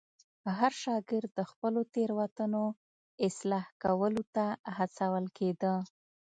هر شاګرد د خپلو تېروتنو اصلاح کولو ته هڅول کېده.